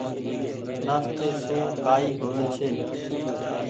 نآستي سون ڪآئي هووي ڇي۔